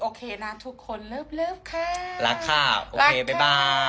โอเคนะทุกคน